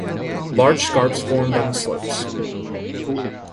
Large scarps formed on the slopes.